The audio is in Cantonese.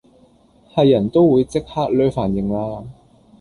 係人都會即刻 𦧲 飯應啦